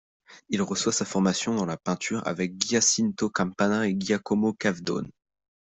Il reçoit sa formation dans la peinture avec Giacinto Campana et Giacomo Cavedone.